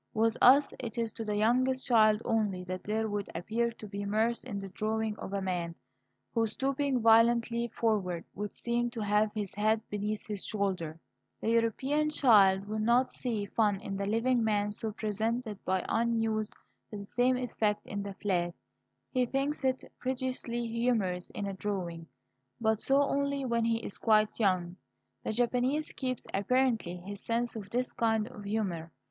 With us it is to the youngest child only that there would appear to be mirth in the drawing of a man who, stooping violently forward, would seem to have his head "beneath his shoulders." The European child would not see fun in the living man so presented, but unused to the same effect "in the flat" he thinks it prodigiously humorous in a drawing. But so only when he is quite young. The Japanese keeps, apparently, his sense of this kind of humour.